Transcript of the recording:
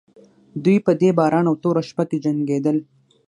دوی په دې باران او توره شپه کې جنګېدل.